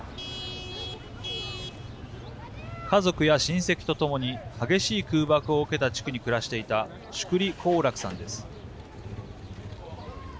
家族や親戚とともに激しい空爆を受けた地区に暮らしていたシュクリ・コーラクさんです。